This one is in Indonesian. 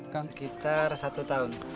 sekitar satu tahun